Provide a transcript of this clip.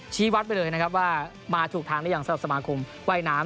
ชี้วัดไปเลยนะครับว่ามาถูกทางหรือยังสำหรับสมาคมว่ายน้ำ